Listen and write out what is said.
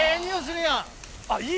あっいい！